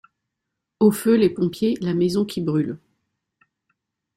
Au feu les pompiers, la maison qui brûle.